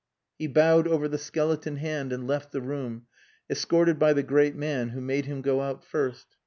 _" He bowed over the skeleton hand and left the room, escorted by the great man, who made him go out first.